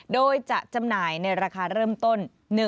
โดยจะจำหน่ายในราคาเริ่มต้น